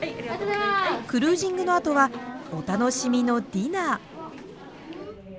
クルージングのあとはお楽しみのディナー！